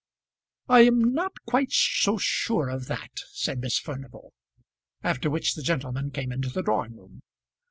"I am not quite so sure of that," said Miss Furnival. After which the gentlemen came into the drawing room.